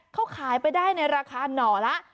เขาขายไปได้ในราคาหน่อละ